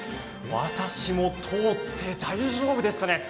私も通って大丈夫ですかね。